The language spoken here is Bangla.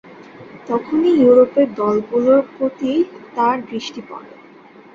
তখনই ইউরোপের দলগুলোর তার প্রতি দৃষ্টি পড়ে।